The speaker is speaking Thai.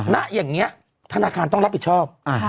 ณอย่างนี้ธนาคารต้องรับผิดชอบ